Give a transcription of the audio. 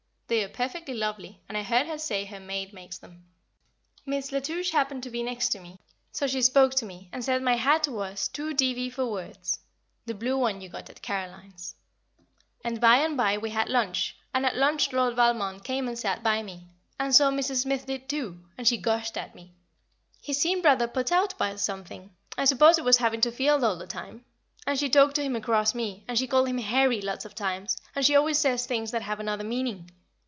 They are perfectly lovely, and I heard her say her maid makes them. Miss La Touche happened to be next me, so she spoke to me, and said my hat was "too devey for words" (the blue one you got at Caroline's); and by and by we had lunch, and at lunch Lord Valmond came and sat by me, and so Mrs. Smith did too, and she gushed at me. He seemed rather put out about something I suppose it was having to field all the time. and she talked to him across me, and she called him "Harry" lots of times, and she always says things that have another meaning.